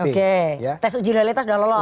oke tes uji loyalitas udah lolos